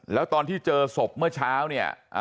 แล้วตอนที่เจอศพเมื่อเช้าเนี่ย